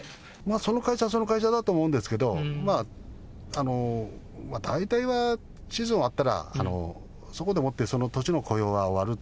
その会社、その会社だと思うんですけれども、大体はシーズン終わったらそこでもって、その年の雇用は終わる。